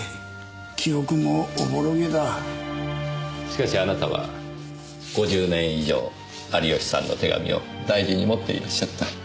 しかしあなたは５０年以上有吉さんの手紙を大事に持っていらっしゃった。